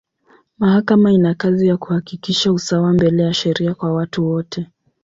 Mahakama ina kazi ya kuhakikisha usawa mbele ya sheria kwa watu wote.